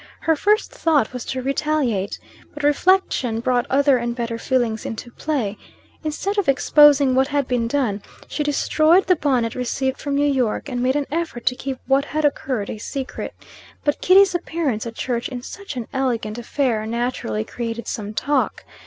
Her first thought was to retaliate. But reflection brought other and better feelings into play. Instead of exposing what had been done, she destroyed the bonnet received from New York, and made an effort to keep what had occurred a secret. But Kitty's appearance at church in such an elegant affair, naturally created some talk.